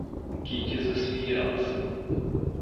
Кити засмеялась.